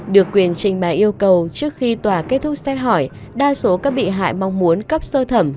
được quyền trình bày yêu cầu trước khi tòa kết thúc xét hỏi đa số các bị hại mong muốn cấp sơ thẩm